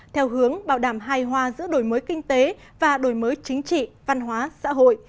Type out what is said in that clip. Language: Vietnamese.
theo hướng bảo đảm hài hòa giữa đổi mới kinh tế và đổi mới chính trị văn hóa xã hội